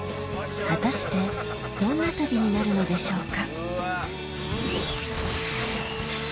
果たしてどんな旅になるのでしょうか？